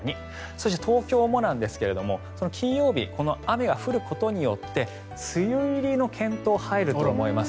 そして、東京もなんですが金曜日、雨が降ることによって梅雨入りの検討に入ると思います。